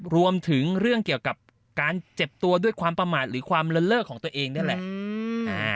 รวมถึงเรื่องกับการเจ็บตัวด้วยความประมาทหรือความเรื่องเลอร์ของตัวเองนี่แหล่ะ